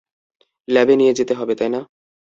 ল্যাবে নিয়ে যেতে হবে, তাই না?